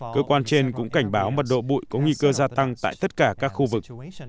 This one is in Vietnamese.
cơ quan trên cũng cảnh báo mật độ bụi có nguy cơ gia tăng tại tất cả các khu vực